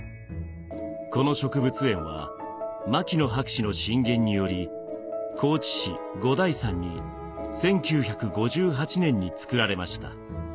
この植物園は牧野博士の進言により高知市五台山に１９５８年に造られました。